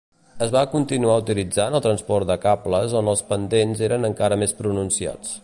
Es va continuar utilitzant el transport de cables on els pendents eren encara més pronunciats.